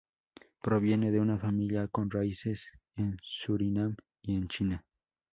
Proviene de una familia con raíces en Surinam y en China.